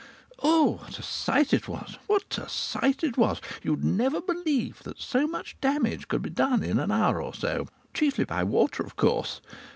Oh! what a sight it was! What a sight it was! You'd never believe that so much damage could be done in an hour or so. Chiefly by water, of course.